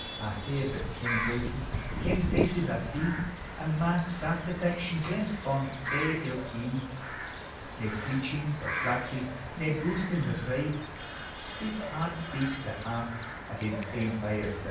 I hear but kend voices, kcnd faces I see, And mark saft affection glent fond frae ilk ee; Nae fleechings o' flattery, nae boastings o' pride, 'T is heart speaks to heart at ane's ain fireside.